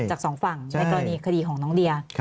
จากสองฝั่งในกรณีคดีของน้องเดีย